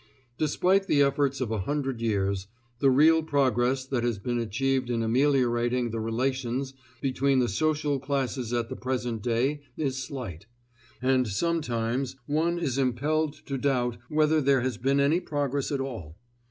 Despite the efforts of a hundred years, the real progress that has been achieved in ameliorating the relations between the social classes at the present day is slight, and sometimes one is impelled to doubt whether there has been any progress at all.